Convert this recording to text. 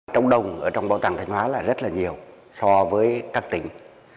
trống đồng ở trong bảo tàng thanh hóa là rất là nhiều so với các tỉnh